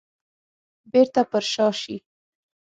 بيرته پر شا شي.